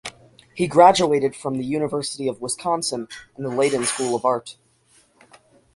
He graduated from the University of Wisconsin and the Layton School of Art.